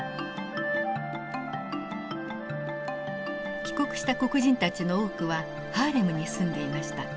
帰国した黒人たちの多くはハーレムに住んでいました。